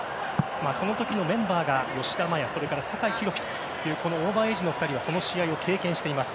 その時のメンバーだった吉田麻也、酒井宏樹というオーバーエージの２人はその試合を経験しています。